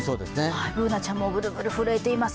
Ｂｏｏｎａちゃんもぶるぶる震えています。